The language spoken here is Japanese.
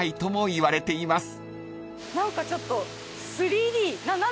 何かちょっと３Ｄ。